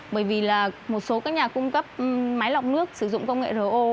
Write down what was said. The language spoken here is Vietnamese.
bởi vì là một số các nhà cung cấp máy lọc nước sử dụng công nghệ ro